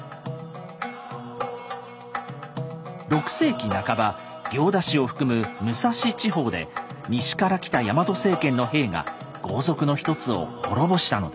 ６世紀半ば行田市を含む武蔵地方で西から来たヤマト政権の兵が豪族の一つを滅ぼしたのです。